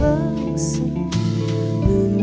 menuju ke tempat